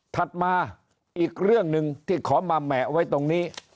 ถัดมาอีกเรื่องหนึ่งที่ขอมาแหมะไว้ตรงนี้